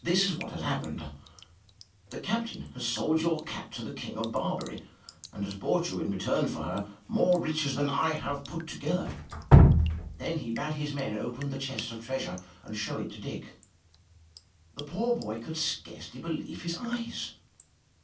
This is what has happened. The captain has sold your cat to the King of Barbary and has brought you, in return for her, more riches than all I have put together." Then he bade his men open the chest of treasure and show it to Dick. The poor boy could scarcely believe his eyes.